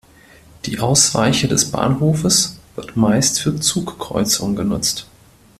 Die Ausweiche des Bahnhofes wird meist für Zugkreuzungen genutzt.